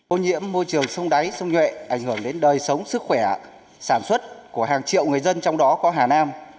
ô nhiễm môi trường sông đáy sông nhuệ ảnh hưởng đến đời sống sức khỏe sản xuất của hàng triệu người dân trong đó có hà nam